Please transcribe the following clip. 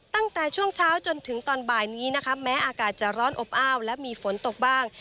ตั้งแต่ช่วงเช้าจนถึงตอนบ่ายนี้นะคะแม้อากาศจะร้อนอบอ้าวและมีฝนตกบ้าง